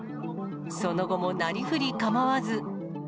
その後もなりふり構わず。